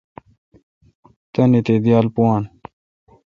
تانی تے°دیال پویان۔